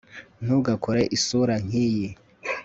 ntugakore isura nkiyi